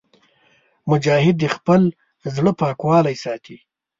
مجاهد د خپل زړه پاکوالی ساتي.